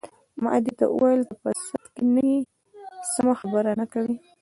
ما دې ته وویل: ته په سد کې نه یې، سمه خبره نه کوې.